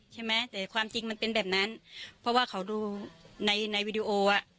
ใช่ไหมแต่ความจริงมันเป็นแบบนั้นเพราะว่าเขาดูในในวิดีโออ่ะ